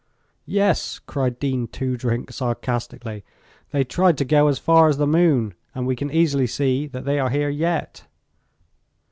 "Yes," cried Dean Toodrink, sarcastically, "they tried to go as far as the moon. And we can easily see that they are here yet."